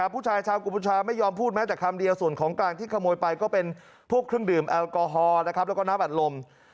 ผู้ชายชาวกัมพูชาไม่ยอมพูดแม้แต่คำเดียวส่วนของกลางที่ขโมยไปก็เป็นพวกเครื่องดื่มแอลกอฮอล์นะครับแล้วก็น้ำอัดลม